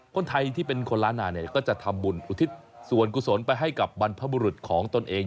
คนไทยที่เป็นคนล้านนาเนี่ยก็จะทำบุญอุทิศส่วนกุศลไปให้กับบรรพบุรุษของตนเอง